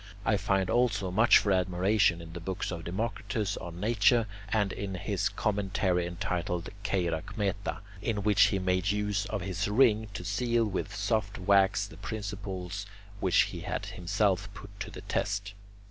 I find also much for admiration in the books of Democritus on nature, and in his commentary entitled [Greek: Cheirokmeta], in which he made use of his ring to seal with soft wax the principles which he had himself put to the test.